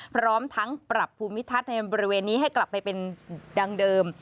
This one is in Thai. พร้อมทั้งปรับภูมิทัศน์ในบริเวณนี้ให้กลับไปเป็นดังเดิม